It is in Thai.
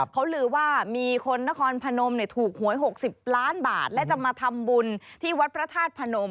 เขาลือว่ามีคนนครพนมถูกหวย๖๐ล้านบาทและจะมาทำบุญที่วัดพระธาตุพนม